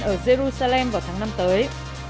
tại israel ở jerusalem vào tháng năm tới